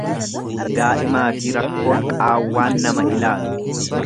Daa'imaafi rakkoon qaawwaan nama ilaalu.